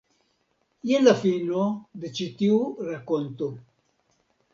Jen la fino de ĉi tiu rakonto.